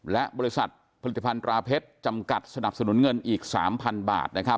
และบริษัทผลิตภัณฑราเพชรจำกัดสนับสนุนเงินอีก๓๐๐๐บาท